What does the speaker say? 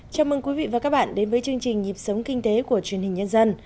chào mừng quý vị và các bạn đến với chương trình nhịp sống kinh tế của truyền hình nhân dân